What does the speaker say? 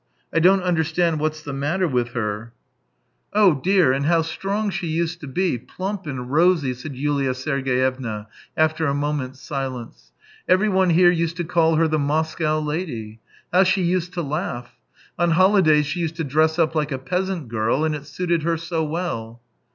I don't understand what's the matter with her." i8o THE TALES OF TCHEHOV " Oh dear ! And how strong she used to be, plump and rosy !" said YuUa Sergey evna after a moment's silence. " Everyone here used to call her the Moscow lady. How she used to laugh ! On holidays she used to dress up like a peasant girl, and it suited her so well."